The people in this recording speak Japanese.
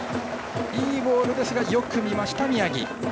いいボールですがよく見ました、宮城。